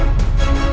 masih tak berhasil